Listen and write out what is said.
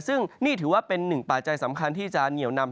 ซึ่งนี่ถือว่าเป็นหนึ่งปัจจัยสำคัญที่จะเหนียวนำ